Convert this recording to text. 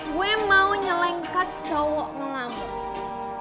gue mau nyelengkat cowok ngelamu